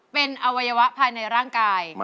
เป็นอวัยวะภายในร่างกาย